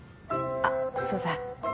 あっそうだ。